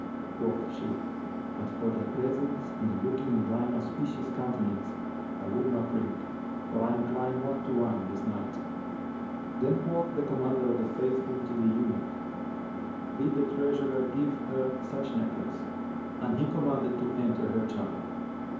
Quoth she, 'But for thy presence and the looking on thine auspicious countenance, I would not drink, for I incline not to wine this night.' Then quoth the Commander of the Faithful to the eunuch, 'Bid the treasurer give her such necklace;' and he commanded to enter her chamber.